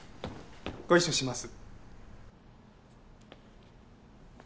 ご一緒します。